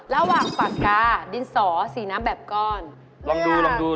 ระหว่างปากกาสีน้ำแบบก้อนดินสอปากกาสีน้ำอย่างก้อน